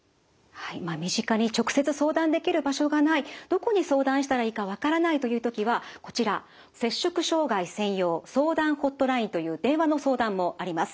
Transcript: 身近に直接相談できる場所がないどこに相談したらいいか分からないという時はこちら摂食障害専用「相談ほっとライン」という電話の相談もあります。